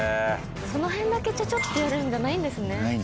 その辺だけちょちょっとやるんじゃないんですね。